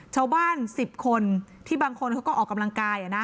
ชาวบ้าน๑๐คนที่บางคนเขาก็ออกกำลังกาย